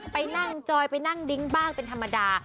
ไปนั่งจอยไปนั่งดิ้งบ้างเป็นธรรมดา